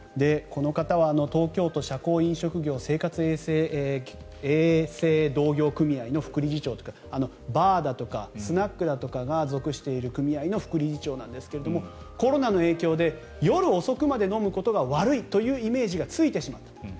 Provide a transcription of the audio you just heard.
この方は東京都社交飲食業生活衛生同業組合の副理事長バーだとかスナックだとかが属している組合の副理事長なんですがコロナの影響で夜遅くまで飲むことが悪いというイメージがついてしまった。